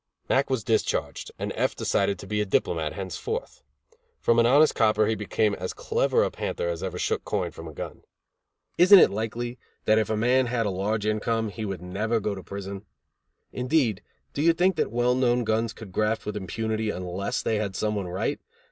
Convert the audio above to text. Mack was discharged, and F decided to be a diplomat henceforth. From an honest copper he became as clever a panther as ever shook coin from a gun. Isn't it likely that if a man had a large income he would never go to prison? Indeed, do you think that well known guns could graft with impunity unless they had some one right?